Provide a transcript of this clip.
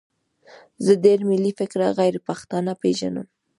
زه ډېر ملي فکره غیرپښتانه پېژنم.